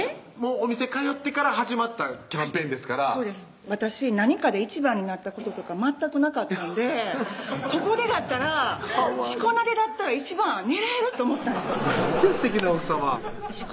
お店通ってから始まったキャンペーンですから私何かで１番になったこととか全くなかったんでここでだったら四股名でだったら１番は狙えるって思ったんですなんて